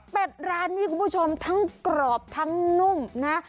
ร้านนี้คุณผู้ชมทั้งกรอบทั้งนุ่มนะ